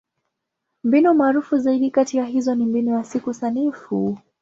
Mbinu maarufu zaidi kati ya hizo ni Mbinu ya Siku Sanifu.